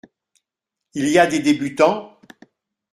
Il y a des débutants ?